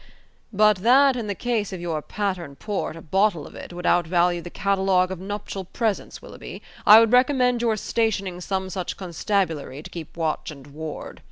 "But that in the case of your Patterne Port a bottle of it would outvalue the catalogue of nuptial presents, Willoughby, I would recommend your stationing some such constabulary to keep watch and ward."